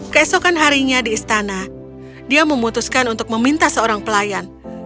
keesokan harinya di istana dia memutuskan untuk meminta seorang pelayan